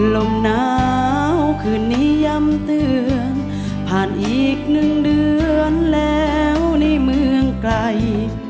ลมหนาวคืนนี้ย้ำเตือนผ่านอีกหนึ่งเดือนแล้วในเมืองไกล